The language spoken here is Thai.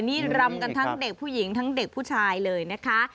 นี่รำกันทั้งเด็กผู้หญิงทั้งเด็กผู้ชายเลยนะคะ